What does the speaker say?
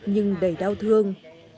nhưng đầy đau thương